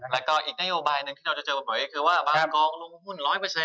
แล้วก็อีกนโยบายหนึ่งที่เราจะเจอบ่อยก็คือว่าบางกองลงหุ้น๑๐๐